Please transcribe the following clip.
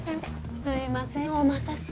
すいませんお待たせして。